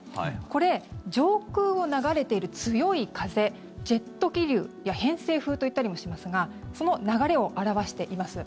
これ、上空を流れている強い風ジェット気流や偏西風といったりもしますがその流れを表しています。